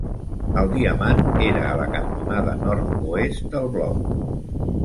El diamant era a la cantonada nord-oest del bloc.